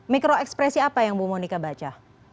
mikro ekspresi apa yang bu monika baca